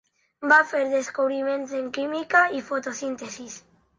Va fer descobriments en química i fotosíntesi.